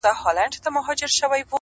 لا یې پخوا دي ورځي سختي نوري-